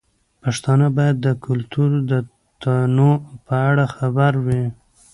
پښتانه باید د کلتور د تنوع په اړه خبر وي.